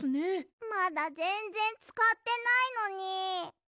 まだぜんぜんつかってないのに。